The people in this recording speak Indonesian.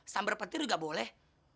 sambar petir juga boleh